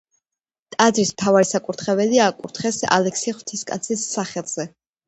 ტაძრის მთავარი საკურთხეველი აკურთხეს ალექსი ღვთისკაცის სახელზე.